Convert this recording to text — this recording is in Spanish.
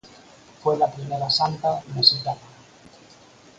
Fue la primera santa mexicana.